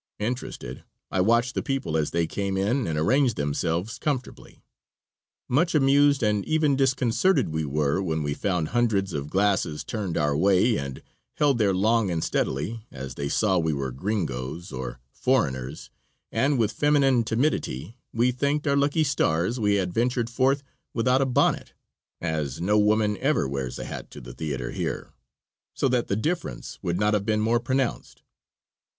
Interested, I watched the people as they came in and arranged themselves comfortably. Much amused and even disconcerted we were when we found hundreds of glasses turned our way and held there long and steadily, as they saw we were "greengoes," or foreigners, and with feminine timidity we thanked our lucky stars we had ventured forth without a bonnet as no woman ever wears a hat to the theater here so that the difference would not have been more pronounced.